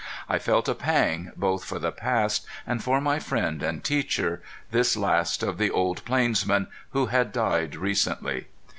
I felt a pang, both for the past, and for my friend and teacher, this last of the old plainsmen who had died recently.